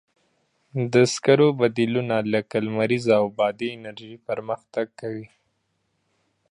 د سکرو بدیلونه لکه لمریزه او بادي انرژي پرمختګ کوي.